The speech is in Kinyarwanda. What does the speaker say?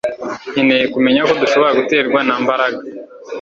Nkeneye kumenya ko dushobora guterwa na Mbaraga